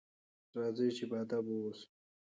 راځئ چې باادبه واوسو.